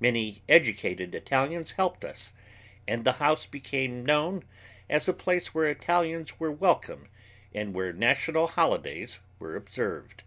Many educated Italians helped us, and the house became known as a place where Italians were welcome and where national holidays were observed.